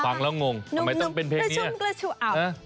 ฟังแล้วงงทำไมต้องเป็นเพลงนี้